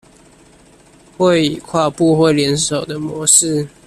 會以跨部會聯手的模式